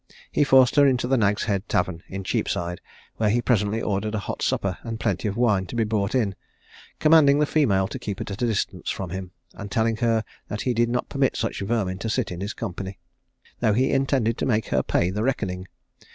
He forced her into the Nag's Head tavern in Cheapside, where he presently ordered a hot supper and plenty of wine to be brought in; commanding the female to keep at a distance from him, and telling her that he did not permit such vermin to sit in his company, though he intended to make her pay the reckoning.